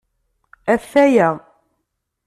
Ata-ya.